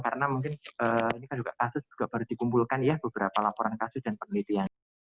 karena mungkin ini kan juga kasus juga baru dikumpulkan ya beberapa laporan kasus dan penelitian